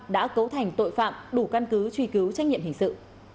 đã cấu thành tội phạm đủ căn cứ truy cứu trách nhiệm hình sự